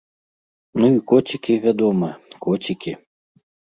Ну і коцікі, вядома, коцікі.